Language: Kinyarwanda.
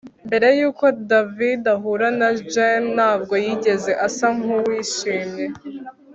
Mbere yuko David ahura na Jane ntabwo yigeze asa nkuwishimye